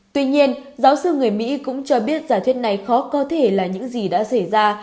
tuy nhiên giáo sư người mỹ cũng cho biết giả thuyết này khó có cơ thể là những gì đã xảy ra